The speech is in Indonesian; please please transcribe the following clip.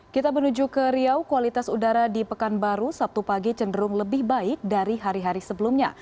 kita menuju ke riau kualitas udara di pekanbaru sabtu pagi cenderung lebih baik dari hari hari sebelumnya